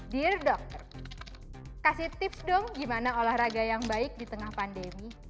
dear doc kasih tips dong gimana olahraga yang baik di tengah pandemi